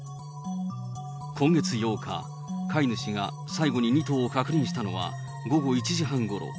今月８日、飼い主が最後に２頭を確認したのは午後１時半ごろ。